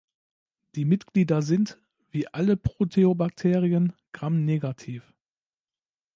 Die Mitglieder sind, wie alle Proteobakterien, gramnegativ.